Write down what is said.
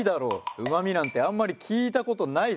うまみなんてあんまりきいたことないぞ。